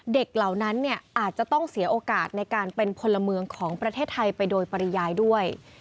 เหล่านั้นเนี่ยอาจจะต้องเสียโอกาสในการเป็นพลเมืองของประเทศไทยไปโดยปริยายด้วย